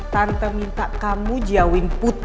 tante minta kamu jauhin putri